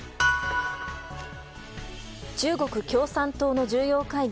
中国共産党の重要会議